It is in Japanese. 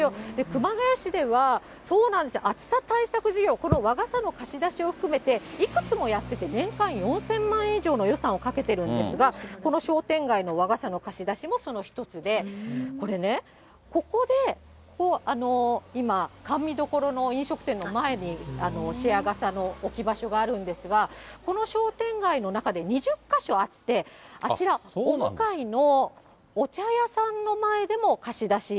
熊谷市では、そうなんですよ、暑さ対策事業、この和傘の貸し出しを含めて、いくつもやってて、年間４０００万円以上の予算をかけてるんですが、この商店街の和傘の貸し出しもその一つで、これね、ここで今、甘味処の飲食店の前にシェア傘の置き場所があるんですが、この商店街の中で２０か所あって、あちら、お向かいのお茶屋さんの前でも貸し出し。